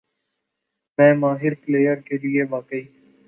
میں ماہر پلئیر کے لیے واقعی